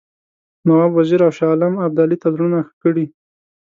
نواب وزیر او شاه عالم ابدالي ته زړونه ښه کړي.